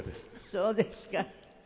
そうですか。